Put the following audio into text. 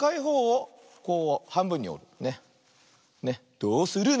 「どうするの？